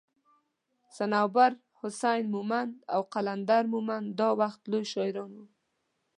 صنوبر حسين مومند او قلندر مومند دا وخت لوي شاعران وو